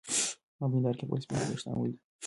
ما په هېنداره کې خپل سپین ويښتان ولیدل.